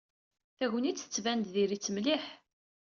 Tagnit tettban-d diri-tt mliḥ.